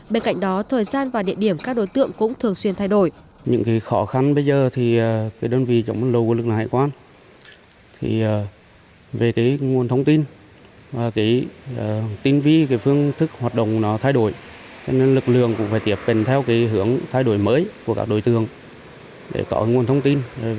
bên cạnh đó thời gian và địa điểm các đối tượng cũng thường xuyên thay đổi